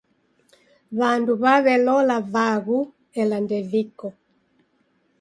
W'andu w'aw'elola vaghu, ela ndeviko